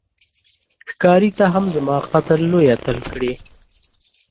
ښکاري ته هم زما قتل لوی اتل کړې